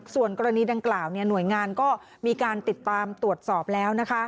ส่วนกรณีดังกล่าวหน่วยงานก็มีการติดตามตรวจสอบแล้ว